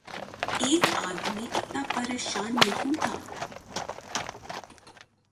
ایک آدمی اتنا پریشان نہیں تھا۔